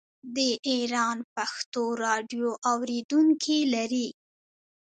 د ایران پښتو راډیو اوریدونکي لري.